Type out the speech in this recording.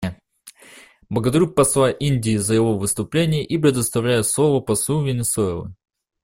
Благодарю посла Индии за его выступление и предоставляю слово послу Венесуэлы.